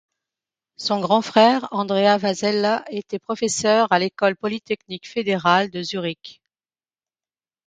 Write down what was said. Son grand frère Andrea Vasella était professeur à l'École polytechnique fédérale de Zurich.